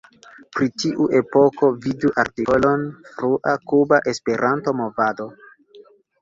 Pri tiu epoko vidu artikolon Frua Kuba Esperanto-movado.